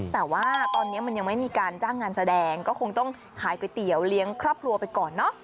แต่ว่าตอนนี้มันยังไม่มีการจ้างงานแสดงก็คงต้องขายก๋วยเตี๋ยวเลี้ยงครอบครัวไปก่อนเนอะ